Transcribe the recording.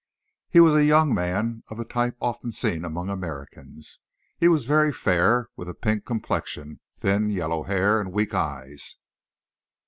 He was a young man of the type often seen among Americans. He was very fair, with a pink complexion, thin, yellow hair and weak eyes.